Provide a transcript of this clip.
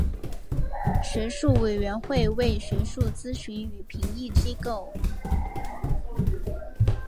学术委员会为学术咨询与评议机构。